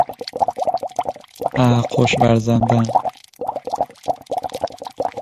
تعشق ورزندن